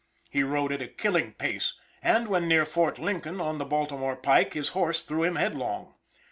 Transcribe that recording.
He rode at a killing pace, and when near Fort Lincoln, on the Baltimore pike, his horse threw him headlong.